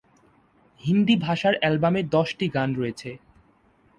হিন্দি ভাষার অ্যালবামে দশটি গান রয়েছে।